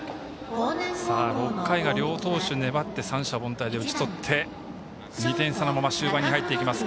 さあ、６回は両投手粘って三者凡退に打ち取って２点差のまま終盤に入ります。